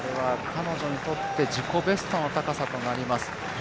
彼女にとって自己ベストの高さになります。